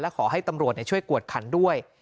ขอให้ตำรวจช่วยกวดขันด้วย